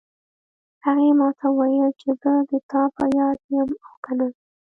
هغې ما ته وویل چې زه د تا په یاد یم او که نه